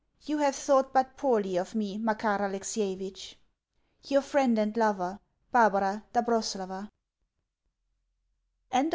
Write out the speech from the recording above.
You have thought but poorly of me, Makar Alexievitch. Your friend and lover, BARBARA DOBROSELOVA. July 28th.